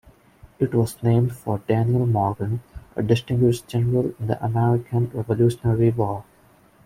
It was named for Daniel Morgan, a distinguished general in the American Revolutionary War.